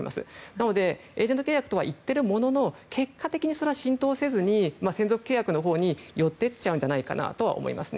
なので、エージェント契約とは言っているものの結果的に浸透せずに専属契約のほうに寄っていっちゃうんじゃないかと思います。